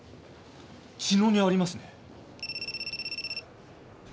茅野にありますね。